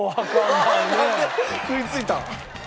食いついた。